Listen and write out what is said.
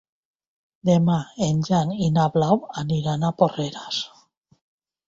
Demà en Jan i na Blau aniran a Porreres.